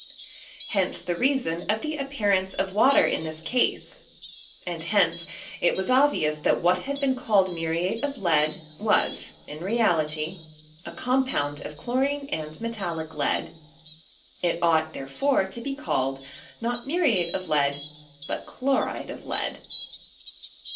Hence the reason 9iAe appearance of water in this case ; and henoe I 07 CBEwsraT. ■ it was obvious that what had been called muriate of * lead, was, in reality, a compound of clilorine and metallic lead. It ought, therefore, to be called, , not muriate of lead, but chloride of lead.